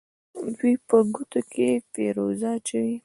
دوی په ګوتو کې فیروزه اچوي.